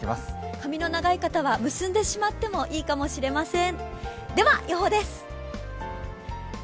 髪の長い方は結んでしまってもいいかもしれません。